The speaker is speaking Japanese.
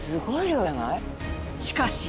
しかし。